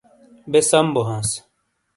بے سم بو ہانس